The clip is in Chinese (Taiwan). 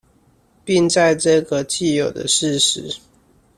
並在這個既有的事實